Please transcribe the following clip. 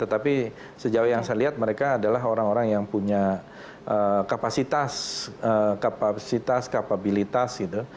tetapi sejauh yang saya lihat mereka adalah orang orang yang punya kapasitas kapasitas kapabilitas gitu